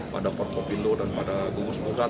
pada porto pindo dan pada gungus pusat